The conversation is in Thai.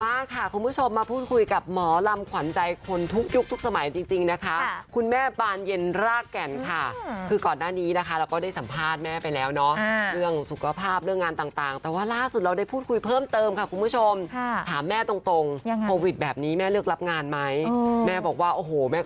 มาค่ะคุณผู้ชมมาพูดคุยกับหมอลำขวัญใจคนทุกยุคทุกสมัยจริงนะคะคุณแม่บานเย็นรากแก่นค่ะคือก่อนหน้านี้นะคะเราก็ได้สัมภาษณ์แม่ไปแล้วเนาะเรื่องสุขภาพเรื่องงานต่างแต่ว่าล่าสุดเราได้พูดคุยเพิ่มเติมค่ะคุณผู้ชมถามแม่ตรงโควิดแบบนี้แม่เลือกรับงานไหมแม่บอกว่าโอ้โหแม่